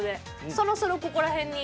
そろそろここら辺に。